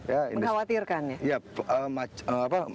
mengkhawatirkan ya ya